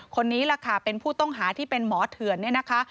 คนนี้แหละค่ะเป็นผู้ต้องหาที่เป็นหมอเถื่อนเนี่ยนะคะ